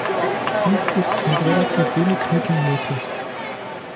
Dies ist mit relativ wenig Mitteln möglich.